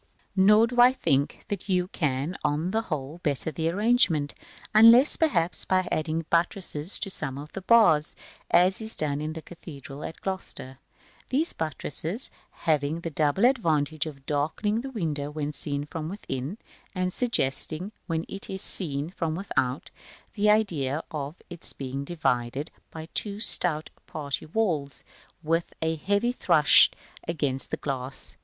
Nor do I think that you can, on the whole, better the arrangement, unless, perhaps, by adding buttresses to some of the bars, as is done in the cathedral at Gloucester; these buttresses having the double advantage of darkening the window when seen from within, and suggesting, when it is seen from without, the idea of its being divided by two stout party walls, with a heavy thrust against the glass.